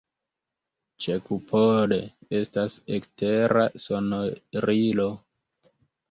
Ĉekupole estas ekstera sonorilo.